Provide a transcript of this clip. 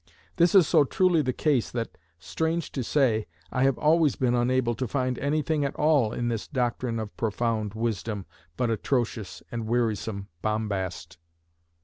This is so truly the case that, strange to say, I have always been unable to find anything at all in this doctrine of profound wisdom but atrocious and wearisome bombast.